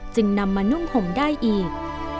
จึงนำมานุ่มผมได้อีก